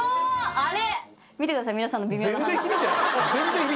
「あれ？」